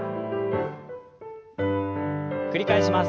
繰り返します。